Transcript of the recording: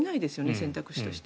選択肢として。